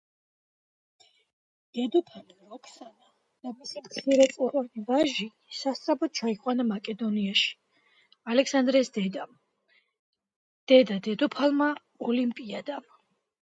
დედოფალი როქსანა და მისი მცირეწლოვანი ვაჟი სასწრაფოდ ჩაიყვანა მაკედონიაში ალექსანდრეს დედამ, დედა-დედოფალმა ოლიმპიადამ.